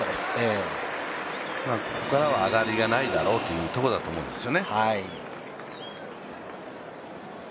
ここからは上がりがないだろうということだと思うんですね。